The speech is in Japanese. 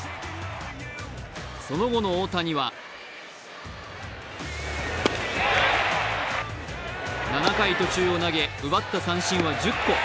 その後の大谷は７回途中を投げ、奪った三振は１０個。